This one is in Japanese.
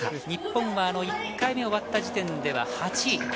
日本は１回目終わった時点では８位。